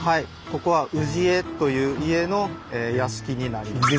ここは氏江という家の屋敷になります。